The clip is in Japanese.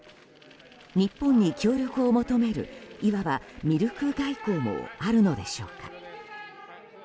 日本に協力を求めるいわばミルク外交もあるのでしょうか。